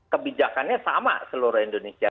kebijakannya sama seluruh indonesia